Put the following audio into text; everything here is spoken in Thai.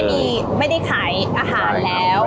ไม่มีไม่ได้ขายอาหารแล้ว